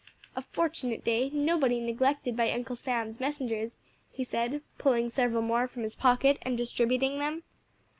"A fortunate day; nobody neglected by Uncle Sam's messengers," he said, pulling several more from his pocket and distributing them.